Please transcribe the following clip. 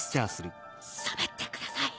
しゃっべってください